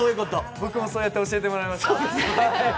僕もそうやって教えてもらいました。